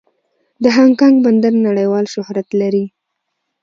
د هانګ کانګ بندر نړیوال شهرت لري.